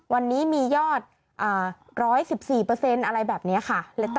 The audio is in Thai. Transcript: วันนี้มียอด๑๑๔อะไรแบบนี้ค่ะ